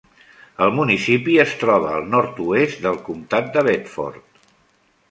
El municipi es troba al nord-oest del comtat de Bedford.